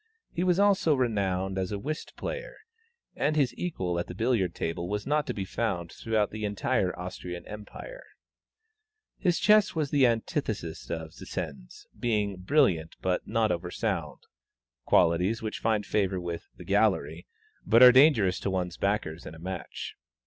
He was also renowned as a whist player, and his equal at the billiard table was not to be found throughout the entire Austrian Empire. His chess was the antithesis of Zsen's, being "brilliant, but not over sound," qualities which find favor with "the gallery," but are dangerous to one's backers in a match.